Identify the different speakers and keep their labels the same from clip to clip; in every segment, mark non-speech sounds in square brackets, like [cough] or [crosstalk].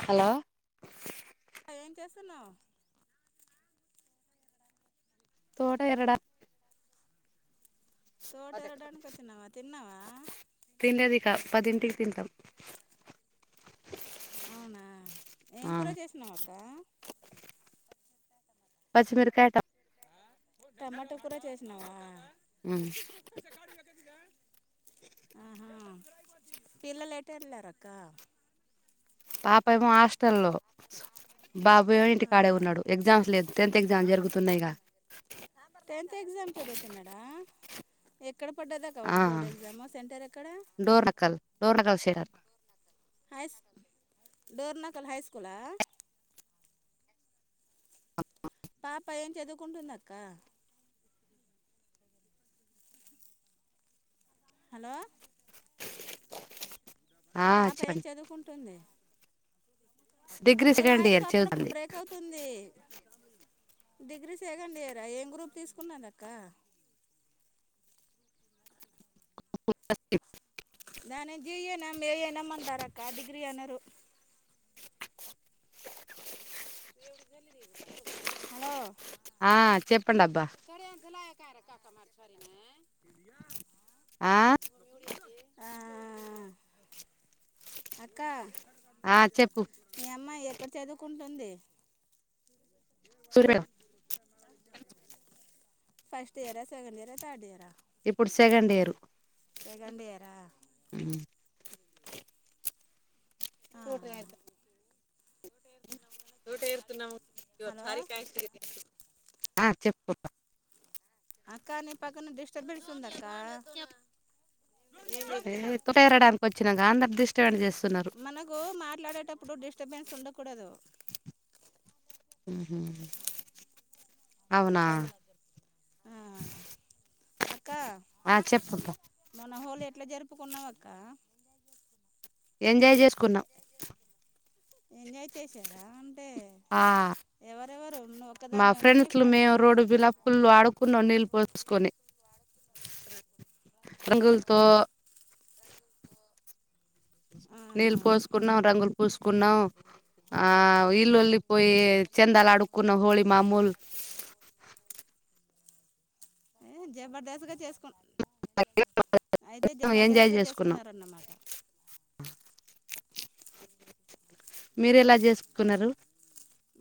Speaker 1: hello
Speaker 2: ఏంచేస్తున్నావ్
Speaker 1: తోట ఎగడా
Speaker 2: తోట ఎరడానికి వచ్చినవా తిన్నావా
Speaker 1: తింటా పదింటికి తింటాం
Speaker 2: అవునా ఏం
Speaker 1: ఆ
Speaker 2: కూర చేసినాం అక్క
Speaker 1: పచ్చిమిరకాయటా
Speaker 2: టమాటా కూడా చేసినావా
Speaker 1: ఉమ్
Speaker 2: ఆహా పిల్లలు ఎట వెళ్ళారక్క
Speaker 1: పాప ఏమో హాస్టల్లో బాబు ఏమో ఇంటి
Speaker 2: ఆ
Speaker 1: కాడే ఉన్నాడు ఎగ్జామ్స్ లేదు టెన్త్ ఎగ్జామ్ జరుగుతున్నాయిగా
Speaker 2: టెన్త్ ఎగ్జామ్ చదువుతున్నాడా ఎక్కడ పడ్డదా
Speaker 1: ఆ
Speaker 2: కాబట్టి బోర్డు ఎగ్జామ్ సెంటర్ ఎక్కడ
Speaker 1: డోర్ నకల్ డోర్ నకల్ షేర్
Speaker 2: హైస్ డోర్నాకల్ హై స్కూలా
Speaker 1: అఓ
Speaker 2: పాప ఏం చదువుకుంటుందక్కా హలో
Speaker 1: [inaudible]
Speaker 2: పాప ఏం
Speaker 1: చెప్పండి
Speaker 2: చదువుకుంటుంది
Speaker 1: డిగ్రీ
Speaker 2: మీ
Speaker 1: సెకండ్
Speaker 2: వాయిసు
Speaker 1: ఇయర్
Speaker 2: అప్పుడప్పుడు
Speaker 1: చదువుతుంది
Speaker 2: బ్రేక్ అవుతుంది డిగ్రీ సెకండ్ ఇయరా ఏం గ్రూప్ తీసుకున్నదక్క
Speaker 1: డిగ్రీ [unintelligible]
Speaker 2: దాని ఏ జియనాం ఏ అయినాం అంటారు అక్క డిగ్రీ అనరు హలో
Speaker 1: ఆ చెప్పండి అబ్బా
Speaker 2: కార కక మార్ చరిన
Speaker 1: ఆ
Speaker 2: ఆ
Speaker 1: ఆ చెప్పు
Speaker 2: ఇంక చదువుకుంటాంది
Speaker 1: సుర
Speaker 2: first year second year third year
Speaker 1: ఇప్పుడు సెకెండియర్
Speaker 2: సెకెండియరా ఆ
Speaker 1: చూటగాయతే తోట ఇరుతు నవ ఇవ
Speaker 2: హలో
Speaker 1: సారకయతే ఆ చెప్పుకోపా
Speaker 2: అక్క నీ పక్కన డిస్టబెన్స్ ఉందక్కా
Speaker 1: ఉప్పుటేరడానికి వచ్చినాగా అందరు డిస్టబెన్స్ చేస్త్
Speaker 2: మనకు మాట్లాడేటప్పుడు డిస్టర్బెన్స్ ఉండకూడదు
Speaker 1: అవునా
Speaker 2: ఆ అక్క
Speaker 1: ఆ చెప్పబ్బా
Speaker 2: మన హోళ ఎట్లా జరుపు అప్పు కొన్నావాక్క
Speaker 1: ఎంజాయ్ చేసుకున్నాం
Speaker 2: ఎంజాయ్ చేసారా
Speaker 1: ఆ
Speaker 2: ఎవరెవరు నువ్వు
Speaker 1: మా
Speaker 2: ఒక్కదానివేనా మీ
Speaker 1: ఫ్రెండ్స్లు మేము
Speaker 2: ఫ్రెండ్స్లా
Speaker 1: రోడ్డు విలాప్పులు ఆడుకున్న నీళ్ళు పోసుకొని రంగల్తో
Speaker 2: ఆ
Speaker 1: నీళ్ళు పోసుకున్నాం రంగులు పూసుకున్నాం ఆ ఇల్లుొళ్లిిపోయ చందాల ఆడుకున్న హోళి మామూలు
Speaker 2: ఏ జబర్దస్త్గా చేసుకు అయితే
Speaker 1: ఎంజాయ్
Speaker 2: జబర్దస్త్గా
Speaker 1: చేసుకున్నాం
Speaker 2: చేసుకున్నారన్నమాట
Speaker 1: మీరు ఎలా చేసుకున్నారు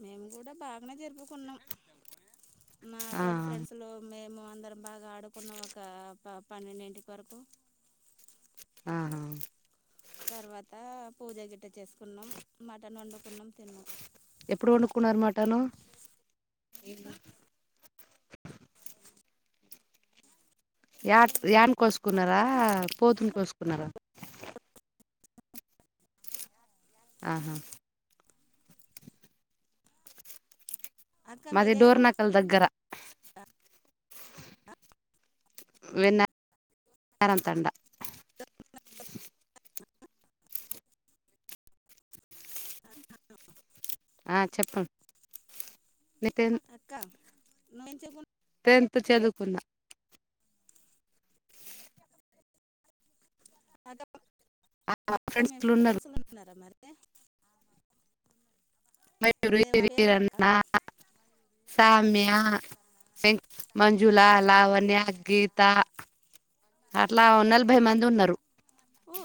Speaker 2: మేము కూడా బాగానే జరుపుకున్నాం మా
Speaker 1: ఆ
Speaker 2: తోటి ఫ్రెండ్స్ లో మేము మేము అందరం బాగా ఆడుకున్నాం ఒక పన్నెండింటికి వరకు
Speaker 1: ఆ
Speaker 2: తర్వాత పూజ గట్ట చేసుకున్నాం మటన్ వండుకున్నాం తిన్నాం
Speaker 1: ఎప్పుడు వండుకున్నారు మాటను యా యాని కోసుకున్నారా పోతుని కోసుకున్నారా ఆహా
Speaker 2: అక్క
Speaker 1: మద
Speaker 2: మీదే
Speaker 1: డోర్
Speaker 2: ఊరు అక్క
Speaker 1: నకల్ దగ్గర వెన్నరంతండ ఆ చెప్పండి నతే
Speaker 2: న చెకుం
Speaker 1: టెంతతు చదువుకున్న
Speaker 2: అ అక్క మీ
Speaker 1: ఫ్రెండ్స్లు ఉన్నారు
Speaker 2: ఫ్రెండ్స్ లో ఉన్నారా మరి స
Speaker 1: మయూరు వీరణ సమ్యా వెం మంజుళ లావణ్య గీతా అట్లా నలభై మంది ఉన్నారు
Speaker 2: ఓ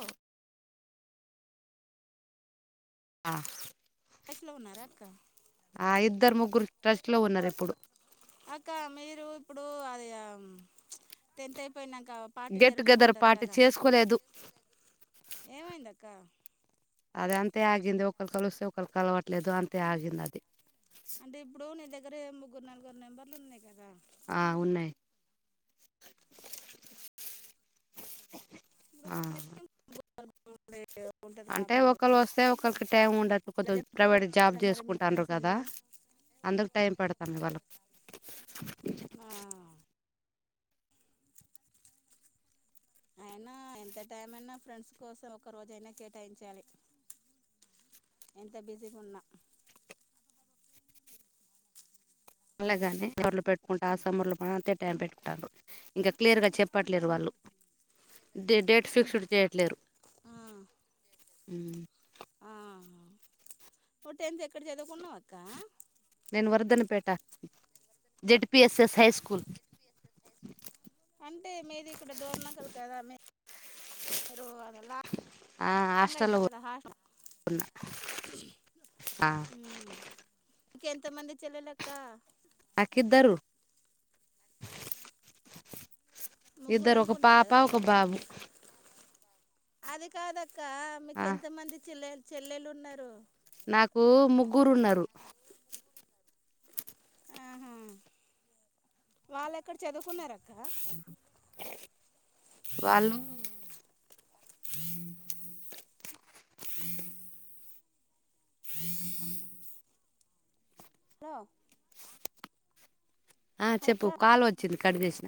Speaker 1: ఆ
Speaker 2: సు లో ఉన్నారుార కా
Speaker 1: ఆ ఇద్దరు ముగ్గురు ట్రస్ట్ లో ఉన్నారు ఎప్పుడు
Speaker 2: అక్క మీరు ఇప్పుడు అది టెన్త్ అయిపోయినాక పార్టీ
Speaker 1: గెట్టుగెదర్ పార్టీ చేసుకోలేదు
Speaker 2: ఏమ దాకా
Speaker 1: అద అంతే ఆగింది ఒకరు కలిస్తే ఒకరు కలవట్లేదు అంతే ఆగింది అది
Speaker 2: అంటే ఇప్పుడు నీ దగ్గర ముగ్గురు నలుగురు నెంబర్లు ఉన్నాయి కదా
Speaker 1: ఆ ఉన్నాయి్
Speaker 2: ఇప్పుడు
Speaker 1: ఆ
Speaker 2: నా దగ్గర ముగ్గురు ఉంటది
Speaker 1: అంటే
Speaker 2: కాబోలు
Speaker 1: ఒకళ్రు వస్తే ఒకరికి టైం ఉండొచ్చు
Speaker 2: అలా
Speaker 1: కొద్ది ప్రైవేట్
Speaker 2: జరుపుకోరు
Speaker 1: జాబ్
Speaker 2: కదా మరి మీ
Speaker 1: చేసుకుంటున్నారు
Speaker 2: ఫ్రెండ్స్
Speaker 1: కదా
Speaker 2: అందరూ
Speaker 1: అందుకు టైం పెడతాం ఇవాళ్ళ
Speaker 2: ఆ, అయినా ఎంత టైమ అనా ఫ్రెండ్స్ కోసం ఒక రోజైనా కేటాయించాలి ఎంత బిజీకున్నా
Speaker 1: అలాగానే ఎవర్లో పెట్టుకుంటే ఆ సమర్ంలో అంతే టైం పెట్టుకుంటారు ఇంకా క్లియర్ గా చెప్పట్లేరు వాళ్ళు డేట్ ఫిక్స్డ్ చేయట్లేరు
Speaker 2: ఆ
Speaker 1: హు
Speaker 2: ఆహా టెన్త్ ఎక్కడ చదువుకున్నా అక్క
Speaker 1: నేను వర్ధన్పేట జెడ్పిఎస్ఎస్ హై స్కూల్
Speaker 2: అంటే మీది ఇక్కడ డోర్ నగలు కదా అదలా
Speaker 1: ఆ
Speaker 2: హంగ అది
Speaker 1: హాస్టల్లో
Speaker 2: కదా హ
Speaker 1: ఆ
Speaker 2: ఇంకెంత మంది చెల్లలక్క
Speaker 1: హాకద్దరు
Speaker 2: ముగ్గురు
Speaker 1: ఇద్దరు ఒక
Speaker 2: అనుకుంటా
Speaker 1: పాప
Speaker 2: కదా అక్క
Speaker 1: ఒక బాబు
Speaker 2: అది కాదక్క
Speaker 1: ఆ
Speaker 2: మీకు ఎంత మంది చెల్లె చెల్లెలు ఉన్నారు
Speaker 1: నాకు ముగ్గురు ఉన్నారు
Speaker 2: ఆహా వాళ్ళు ఎక్కడ చదువుకున్నారుక్క
Speaker 1: వాళ్ళు ఈ ఆ
Speaker 2: తో
Speaker 1: ఆ చెప్పు కాలు వచ్చింది కడు చేసిన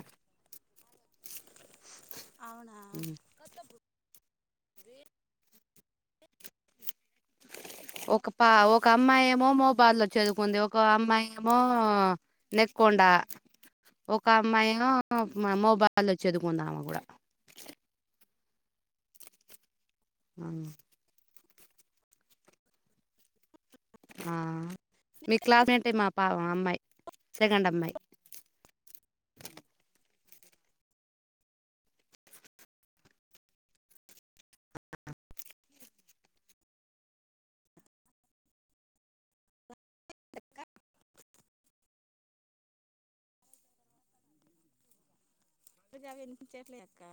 Speaker 1: ఉ
Speaker 2: వె
Speaker 1: అ ఒక పా ఒక అమ్మాయి ఏమో మౌబాద్ చదువుకుంది ఒక అమ్మాయి ఏమో నెక్కోం డ ఒక అమ్మాయి యో మౌబాద్ చదువుకుంది ఆమె కూడా ఆ ఆ మీ క్లాస్ అంటే మా పా అమ్మాయి సెకండ్ అమ్మాయి [unintelligible]
Speaker 2: క్క ఉజవి ఇనిపించట్లే అక్క